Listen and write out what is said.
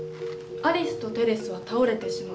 アリスとテレスは倒れてしまう。